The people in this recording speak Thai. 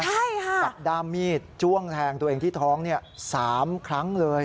กับด้ามมีดจ้วงแทงตัวเองที่ท้องสามครั้งเลย